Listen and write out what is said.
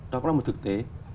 đó cũng là một thực tế